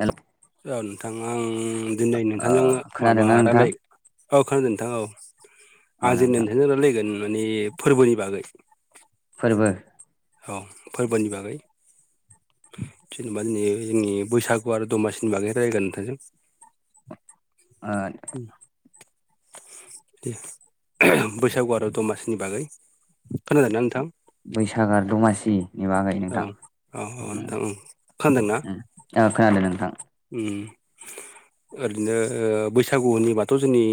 हेल' औ नोंथां आं दिनै ओ नोंथांजों माबा खोनादोंना नोंथां रायलाय औ खोनादों नोंथां औ अ आं [unintelligible] नोंथां नोंथांजों रायलायगोन माने फोरबोनि बागै फोरबो औ फोरबोनि बागै। जेनेबा ने जोंनि बैसागु आरो दमासिनि बागै रायगोन नोंथांजों। आ बैसागु आरो दमासिनि बागै खोनादोंना नोंथां? बैसागो आरो दमासिनि बागै औ नोंथां औ औ नोंथां औ खोनादोंना औ खोनादों नोंथां। उम ओरैनो बैसागु होननिबाथ' जोंनि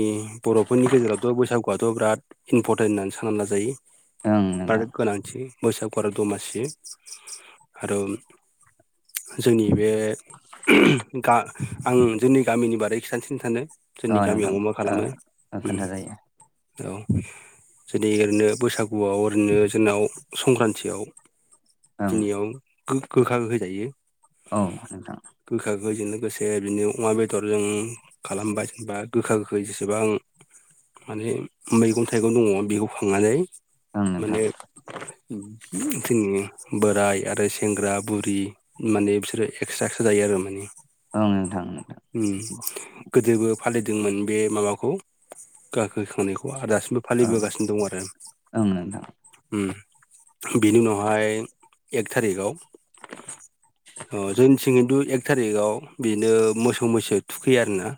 बर'फोरनि गेजेरावथ' बैसागुआथ' बिराद इम्परटेन्ट होननानै साननानै लाजायो। ओं नोंथां गोनांथि बैसागु आरो दमासि आरो जोंनि बे गा आं जोंनि गामिनि बारै खिथानोसै नोंथांनो। जोंनि अ नोंथां गामियावबो मा खालामो ओ उम खोन्थाजायो औ जेरै ओरैनो बैसागुआव ओरैनो जोंनाव संक्रान्तियाव ओं दिनियाव गोखा गोखै जायो। औ नोंथां। गोखा गोखैजों लोगोसे बिदिनो अमा बेदरजों खालामबाय बा गोखा गोखै जेसेबां माने मैगं थाइगं दङ बेखौ खांनानै ओं नोंथां माने जोंनि बोराय आरो सेंग्रा बुरि माने बिसोरो एकस्रा एकस्रा फ जायो आरो माने औ नोंथां नोंथां ओम गोदोबो फालिदोंमोन बे माबाखौ। गाखोखांनायखौ आरो दासिमबो ओं फालिबोगासिनो दं आरो। ओं नोंथां ओम बेनि उनावहाय एक थारिखआव अ जोंनिथिं खिन्थु एक थारिखआव बिदिनो मोसौ मैसो थुखैयो आरोना।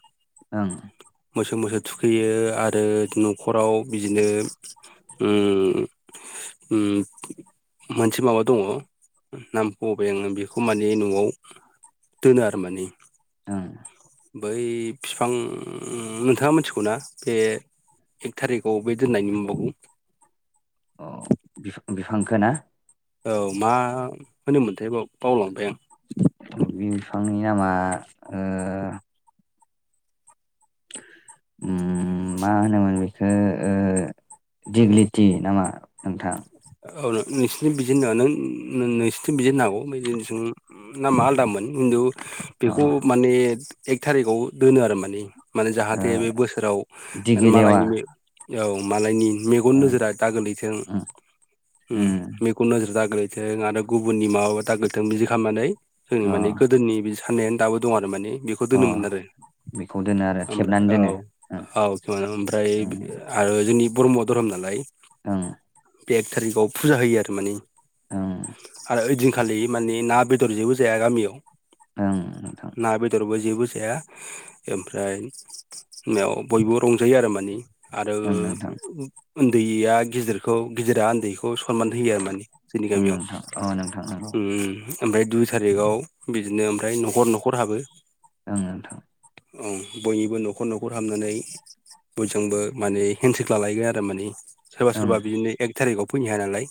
ओं मोसौ मोसो थुखैयो आरो न'खराव बिदिनो उम उम मोनसे माबा दङ नाम बावबाय आङो बेखौ माने न'आव दोनो आरो माने ओम बै फिफां नोंथाङा मिथिगौ ना बे एक थारिखआव बे दोननायनि माबाखौ। अ बि-बिफांखो ना? औ मा होनोमोनथाय बाव-बावलांबाय आं। बि बिफांनि नामा ओ ओम मा होनोमोन बेखो ओ दिगलिटि नामा नोंथां? औ नोंसोरनि बिदि होननो ना नों-नोंसोरनिथिं बिदि होननो हागौ जोंनिथिं नामा आलदामोन खिन्थु अ बेखौ माने एक थारिकाव दोनो आरो माने। माने ओ जाहाथे बे बोसोराव दिगि लेवा मालायनि औ मालायनि मेगन ओं नोजोरा दा गोलैथों। उम ओम उम मेगन नोजोर दाग्लैथों आरो गुबुननि माबाबा दागलैथों बिदि खालामनानै जोंनि अ माने गोदोनि बि साननायानो दाबो दं आरो माने बे खौ अ दोनोमोन आरो बेखौ दोनो आरो थेबनानै ओमफ्राय औ दोनो औ [unintelligible] ओमफ्राय ओं आरो जोंनि ब्रह्म धोरोम नालाय ओं बे एक थारिखाव फुजा होयो आरो माने। ओं आरो ओइदिनखालि मानि ना बेदर जेबो जाया गामियाव। ओं नोंथां। ना बेदरबो जेबो जाया ओमफ्राय मायाव बयबो रंजायो आरो माने। आरो ओं नोंथां ओन्दैया गिदिरखौ गिदिरा ओन्दैखौ खौ सनमान होयो आरो माने जोंनि ओं गामियाव नोंथां अ नोंथां नंगौ उमम। ओमफ्राय दुइ थारिखाव बिदिनो ओमफ्राय न'खर न'खर हाबो। ओं नोंथां। ओं बयनिबो न'खर न'खर हाबनानै बयजोंबो माने हेन्सेक लालायगोन आरो माने। सोरबा ओं सोरबा बिदिनो एक थारिखआव फैनो हाया नालाय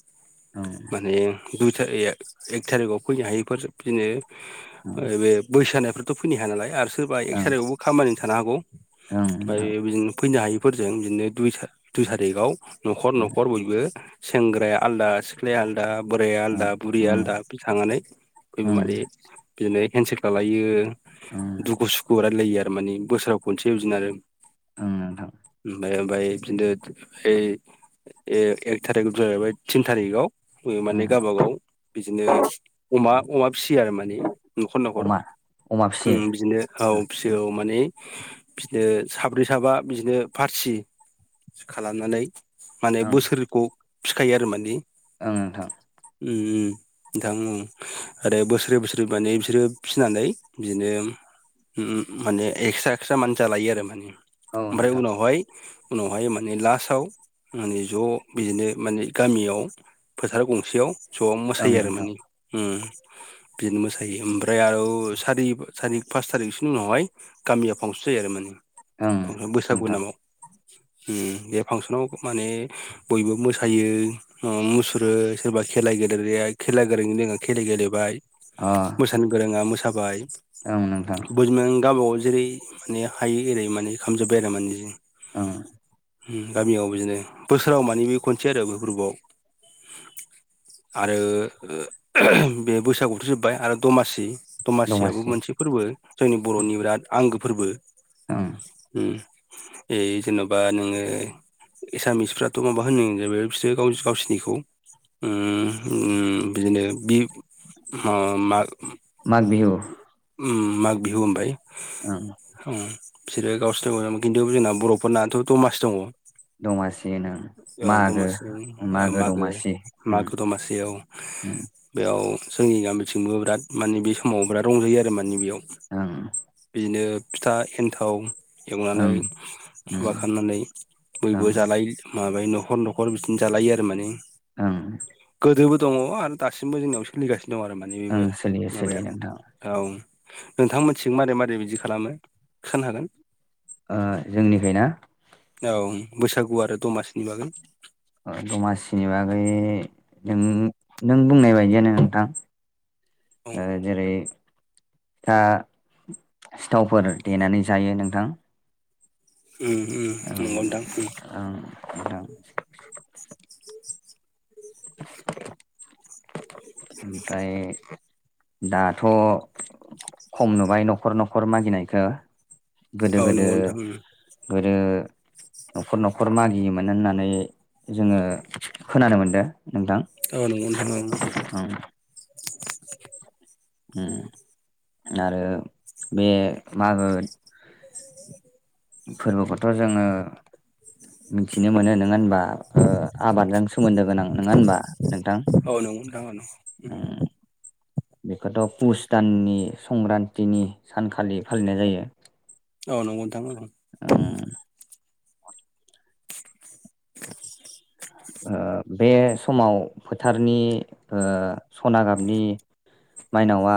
ओं माने दुइ थारि ए-एक थारिखआव फैनो हायिफोर बिदिनो बे बैसानायफोर थ' फैनो हाया नालाय आरो सोरबा एक ओं ओं थारिकआवबो खामानि थानो हागौ ओं ओमफ्राय नोंथां बिदिनो फैनो हायि फोरजों बिदिनो दुइ थारि दुइ थारिखाव न'खर ओं न'खर बयबो सेंग्राया आलादा सिख्लाया आलदा बोराया ओं आलदा बुरिया ओं आलदा थांनानै बयबो ओं माने बिदिनो हेन्सेक लालायो लायो ओं दुखु सुख खौ रायलायो आरो माने बोसोराव खनसे बिदिनो आरो ओं नोंथां ओमफ्राय ओमफ्राय बिदिनो ओइ ए एक थारिक जाहैबाय थिन थारिखाव ओं माने गावबागाव बिदिनो अमा अमा फिसियो आरो माने न'खर न'खर। अमा अमा फिसियो। बिदिनो औ फिसियो औ माने बिदिनो साब्रै साबा बिदिनो फारसि खालामनानै माने ओं बोसोरखौ फिखायो आरो माने। ओं नोंथां। उम उम नोंथां ओं आरो बोसोरै बोसोरै माने बिसोरो फिसिनानै बिदिनो उम माने एक्सट्रा एक्सट्रा मान जालायो आरो माने औ ओमफ्राय नोंथां उनावहाय उनावहाय माने लास्टाव मे ज' बिदिनो माने गामियाव फोथार गंसेयाव ज' ओं मोसायो आरो नोंथां माने उम। बिदिनो मोसाहैयो ओमफ्राय आरो सारि सारि पास थारिखसो उनावहाय गामियाव फांसन जायो आरो माने ओं फांसन बैसागु नोंथां नामाव उम बे फांसनाव माने बयबो मोसायो उम मुसुरो सोरबा खेला गेलेग्राया खेला गोरों खेला गेलेबाय अ मोसानो गोरोङा मोसाबाय ओं नोंथां [unintelligible] गावबागाव जेरै माने हायो एरै माने खालामजोब्बाय आरो माने ओं उम गामियाव बिदिनो बोसोराव माने बे खनसे आरो बेै फोरबोआव आरो बे बैसागुथ' जोब्बाय आरो दमासि दमासियाबो दमासि मोनसे फोरबो जोंनि बर'नि बिराद आंगो फोरबो ओं उम ऐ जेन'बा नोङो एसामिसफ्राथ' माबा होनो जोबो बिसोरो गाव गावसोरनिखौ उम उम बिदिनो बि मा माग बिहु उम माग बिहु उमफाय ओं उम बिसोरो गावसोरनो खिन्थु जोंना बर'फोरनाथ' दमासि दङ। दमासि होनो औ मागो दमासि ओ मागो दमासि उम मागो दमासियाव उम बेयाव जोंनि गामिथिंबो बिराद मानि बे समाव बिराद रंजायो आरो माने बेयाव। ओं बिदिनो फिथा एन्थाव एवनानै ओं माबा खालामनानै ओं बयबो जालायो माबायो न'खर न'खर बिदिनो जालायो आरो माने। ओंं गोदोबो दङ आरो दासिमबो जोंनियाव सोलिगासिनो दं आरो माने ओं बेबो सोलियो सोलियो माबाया नोंथां औ नोंथां मोनथिं मारै मारै बिदि खालामो खिथानो हागोन? ओ जोंनिखाय ना? औ बैसागु आरो दमासिनि बागै। दमासिनि बागै नों नों बुंनाय बायदियानो नोंथां। औ ओ जेरै फिथा सिथावफोर देनानै जायो नोंथां। उम उम नोंगौ ओं नोंथां उम। ओं नोंथां [unintelligible] ओमफ्राय दाथ' खम नुबाय न'खर न'खर मागिनायखौ गोदो औ गोदो नंगौ नोंथां उम गोदो न'खर न'खर मागियोमोन होननानै जोङो खोनानो मोनदों नोंथां। औ नोंगौ नोंथां औ औ ओं उम आरो बे मागो [unintelligible] फोरबोखौथ' जोङो मिथिनो मोनो नङा होनबा ओ आबादजों सोमोन्दो गोनां नङा होनबा नोंथां औ नंगौ नोंथां अ नंगौ ओम बेखौथ' पुस दाननि संक्रान्तिनि सानखालि फालिनाय जायो। औ नंगौ नोंथां उम ओं बे समाव फोथारनि सना गाबनि माइनावआ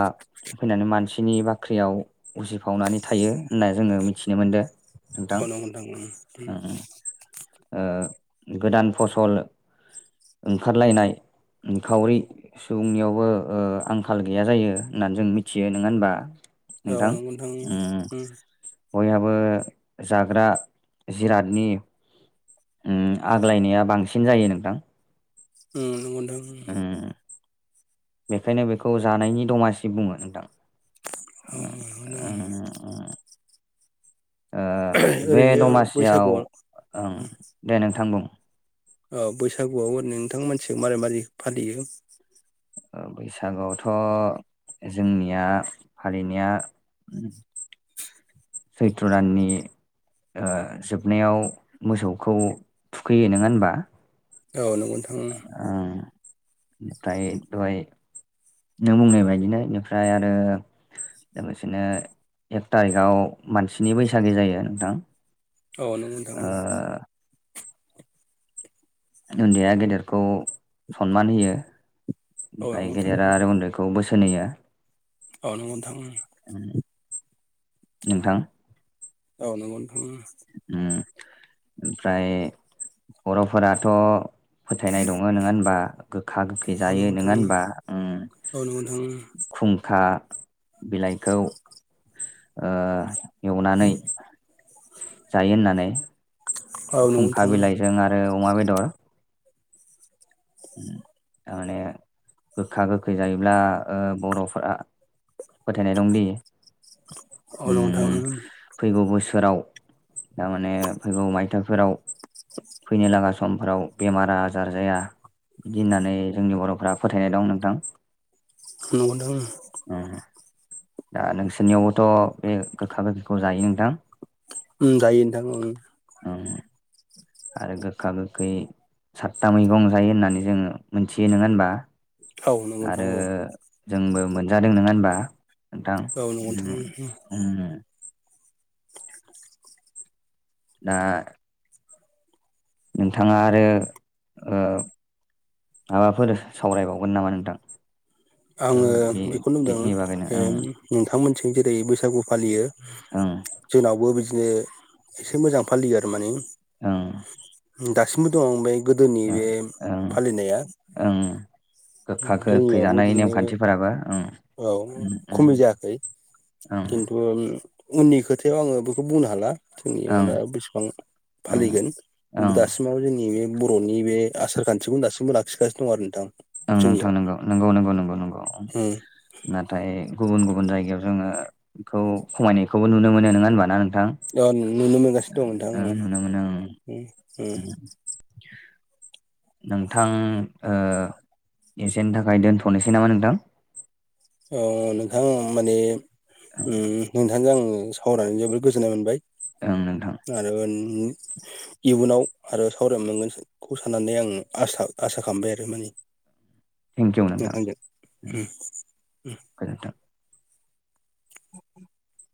फैनानै मानसिनि बाख्रियाव उजिफावनानै थायो होनना जोङो मिथिनो मोनदो। नोंथां अ नंगौ नोंथां ओ गोदान फसल ओंखारलायनाय खावरि सुबुंनियावबो आंखाल गैया जायो होननानै जों मिथियो नोङा होनबा औ नंगौ नोंथां उम बयहाबो जाग्रा जिरादनि ओम आग्लायनाया बांसिन जायो नोंथां ओम नंगौ नोंथां ओम उम बेखायनो बेखौ जानायनि दमासि बुङो नोंथां अ अ नोंगौ नोंथां उम ओ नोंथां बे ओरैनो दमासियाव बैसागुआव ओं दे नोंथां बुं औ बैसागुआव ओरै नोंथां मानसिखौ मारै मारै फालियो ओ बैसागोआवथ' जोंनिया फालिनाया सैथ्र दाननि ओ जोबनायाव मोसौखौ थुखैयो नोङा होनबा? औ नंगौ नोंथां ओम आ दाय दहाय नों बुंनाय बायदिनो बेनिफ्राय आरो लोगोसेनो एक थारिखआव मानसिनि बैसागि जायो नोंथां औ नोंगौ नोंथां ओ औ उन्दैया गेदेरखौ सनमान होयो औ नंगौ ओमफाय नोंथां गेदेरा आरो उन्दै खौ बोसोन होयो औ नंगौ नोंथां नोंथां औ नंगौ नोंथां ओम ओम ओमफ्राय बर'फोराथ' फोथायनाय दङ नङा होनबा गोखा गोखै औ नंगौ जायो नोंथां नङा होनबा ओम औ नंगौ नोंथां खुंखा बिलाइखौ ओ एवनानै जायो होननानै औ नंगौ खुंखा नोंथां बिलाइजों आरो अमा बेदर थारमाने गोखा गोखै जायोब्ला ओ बर'फोरा फोथायनाय दंदि औ नंगौ नोंथां ओम फैगौ बोसोराव थारमाने फैगौ मायथाइफोराव फैनो लागासिनो समफ्राव बेमार आजार जाया बिदि होननानै जोंनि बर'फ्रा फोथायनाय दं नोंथां नंगौ नोंथां ओम अ दा नोंसोरनियावबोथ' बे गोखा गोखैखौ जायो नोंथां ओम जायो नोंथां ओम उम आरो गोखा गोखै सातथा मैगं जायो होननानै जोङो मोनथियो नोङा होनबा औ नंगौ नोंथां आरो औ जोंबो मोनजादों नङा होनबा? नोंथां औ नंगौ उम नोंथां उम दा नोंथाङा आरो ओ माबाफोर सावरायबावगोन नामा नोंथां? ओ आङो बे बेखौ बेनि बागैनो होनदों ओं नोंथांमोनथिं जेरै बैसागु फालियो ओं जोंनावबो बिदिनो एसे मोजां फालियो आरो मानि ओं दासिमबो दं बै गोदोनि ओं बे ओं फालिनाया जोंनियावबो नि बिदिनो नेमखान्थिफोराबो ओं औ उम उम खमि जायाखै ओं खिन्थु उननि खोथायाव आङो बेखौ बुंनो हाला [unintelligible] नि ओं माना बेसेबां ओं फालिगोन। ओं दासिमाव जोंनि बे बर'नि बे आसार खान्थिखौनो दासिमबो लाखिगासिनो दं आरो नोंथां। ओं नोंथां जोंनियाव नंगौ नंगौ नंगौ नंगौ नंगौ उम नाथाय गुबुन गुबुन जायगायाव जोङोथ' खमायनायखौबो नुनो मोनो नोङा ओनबा ना नोंथां? अ नुनो मोनगासिनो दं नोंथां ओ उम नुनो मोनो उम उम। ओं नोंथां ओ एसेनि थाखाय दोनथ'नोसै नामा नोंथां। अ नोंथां माने उम नोंथांजों आङो सावरायनानै जोबोद गोजोननाय मोनबाय। ओं नोंथां। आरो ओन उम इयुनाव आरो सावराय मोनगोनसै। खौ साननानै आं आसा आसा खामबाय आरो माने। थेंकिउ नोंथां नोंथांजों उम गोजोन्थों। [inaudible]